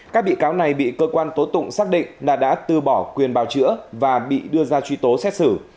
các bị cáo này bị cơ quan tố tụng xác định là đã tư bỏ quyền bào chữa và bị đưa ra truy tố xét xử